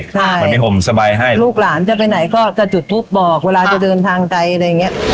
เหมือนมีห่มสบายให้ลูกหลานจะไปไหนก็จะจุดทูปบอกเวลาจะเดินทางไกลอะไรอย่างเงี้ย